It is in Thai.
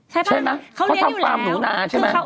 ใช่ป่ะเขาเลี้ยงอยู่แล้ว